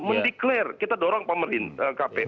mendeklarasi kita dorong pemerintah